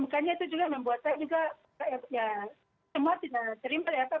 makanya itu juga membuat saya juga ya semua tidak terima ya pak